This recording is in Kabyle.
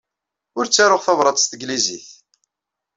Ur ttaruɣ tabṛat s tanglizit.